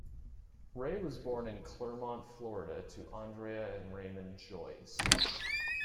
Rae was born in Clermont, Florida, to Andrea and Raymond Joyce.